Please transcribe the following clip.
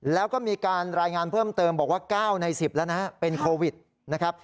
แล้วก็มีการรายงานเพิ่มเติมบอกว่า๙ใน๑๐แล้วนะฮะเป็นโควิดนะครับ